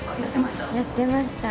やってました？